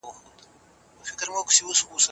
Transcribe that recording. نعناع د معدې درد کموي.